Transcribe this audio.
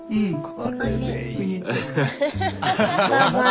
「これでいい？」